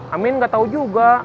amin gak tau juga